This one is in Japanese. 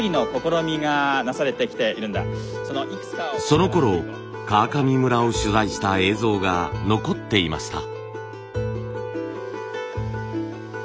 そのころ川上村を取材した映像が残っていました。